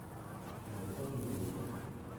Tu vas t’enrhuber.